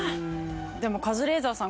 でもカズレーザーさん